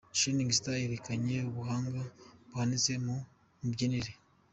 Shining stars yerekanye ubuhanga buhanitse mu mibyinire.